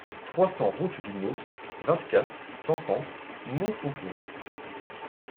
trois cents route du Mausse, vingt-quatre, cent trente, Monfaucon